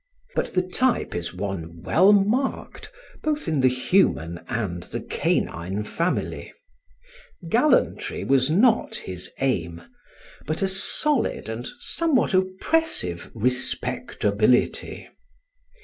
But the type is one well marked, both in the human and the canine family. Gallantry was not his aim, but a solid and somewhat oppressive respectability.